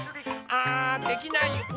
あできない。